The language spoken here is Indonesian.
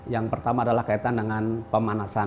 yang pertama adalah kaitan dengan pemanasan